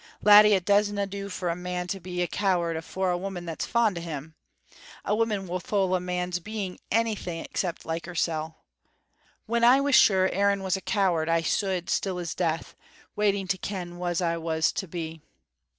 "Laddie, it doesna do for a man to be a coward afore a woman that's fond o' him. A woman will thole a man's being anything except like hersel'. When I was sure Aaron was a coward I stood still as death, waiting to ken wha's I was to be.